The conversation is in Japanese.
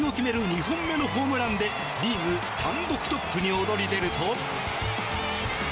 ２本目のホームランでリーグ単独トップに躍り出ると。